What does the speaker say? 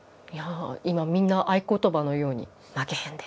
今みんな合い言葉のように「負けへんで」。